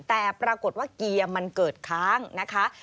แต่ปรากฏว่าเกียร์มันเกิดค้างนะคะ